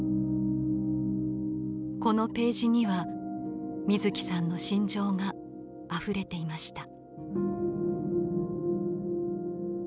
このページには水木さんの心情があふれていました。